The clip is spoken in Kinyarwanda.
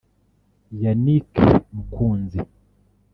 Yannick Mukunzi